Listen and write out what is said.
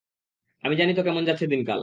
আমি জানি তো কেমন যাচ্ছে দিনকাল?